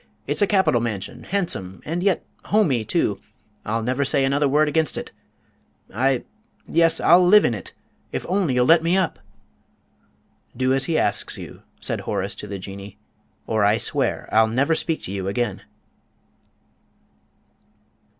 It's a capital mansion, handsome, and yet 'homey,' too. I'll never say another word against it. I'll yes, I'll live in it if only you'll let me up?" "Do as he asks you," said Horace to the Jinnee, "or I swear I'll never speak to you again."